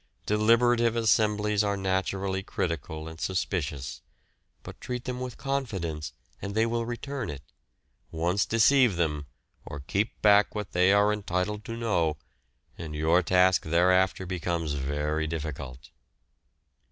Deliberative assemblies are naturally critical and suspicious: but treat them with confidence and they will return it; once deceive them, or keep back what they are entitled to know, and your task thereafter becomes very difficult.